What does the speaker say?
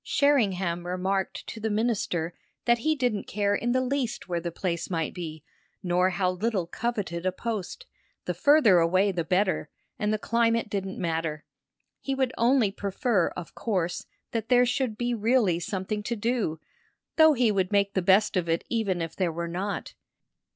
Sherringham remarked to the minister that he didn't care in the least where the place might be, nor how little coveted a post; the further away the better, and the climate didn't matter. He would only prefer of course that there should be really something to do, though he would make the best of it even if there were not.